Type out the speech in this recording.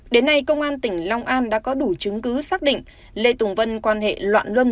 đến nay công an tỉnh long an đã có đủ chứng cứ xác định lê tùng vân quan hệ loạn luân